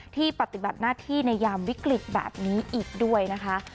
ปฏิบัติหน้าที่ในยามวิกฤตแบบนี้อีกด้วยนะคะ